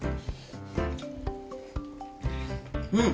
うん！